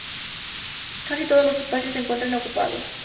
Casi todos los espacios se encuentran ocupados.